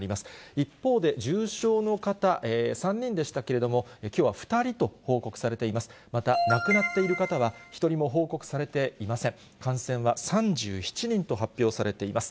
一方で、重症の方、３人でしたけれども、きょうは２人と報告されています。